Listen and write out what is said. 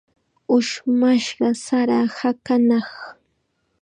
Ushmashqa sara hakanaq.